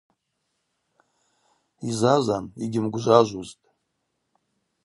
Йзазан, йгьымгвжважвузтӏ.